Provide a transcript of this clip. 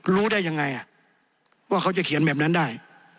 รู้ได้ยังไงว่าเขาจะเขียนแบบนั้นได้